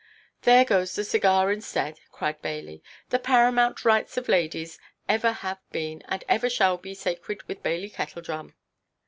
"There goes the cigar instead," cried Bailey; "the paramount rights of ladies ever have been, and ever shall be, sacred with Bailey Kettledrum."